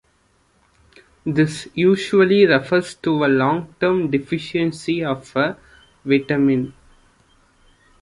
This usually refers to a long-term deficiency of a vitamin.